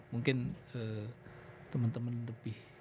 mungkin teman teman lebih